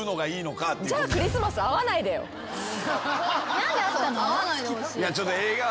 何で会ったの？